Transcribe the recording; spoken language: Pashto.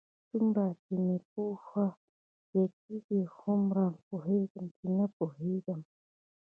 څومره چې مې پوهه زیاتېږي، هومره پوهېږم؛ چې نه پوهېږم.